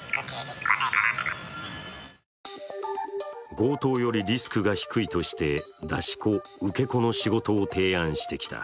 強盗よりリスクが低いとして出し子、受け子の仕事を提案してきた。